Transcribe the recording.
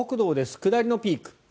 下りのピーク。